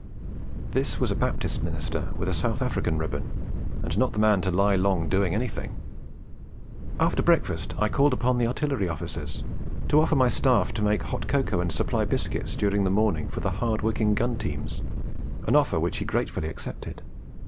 (This was a Baptist minister with a South African ribbon, and not the man to lie long doing anything.) 'After breakfast I called upon the Artillery Officers to offer my staff to make hot cocoa and supply biscuits during the morning for the hard worked gun teams, an offer which he gratefully accepted.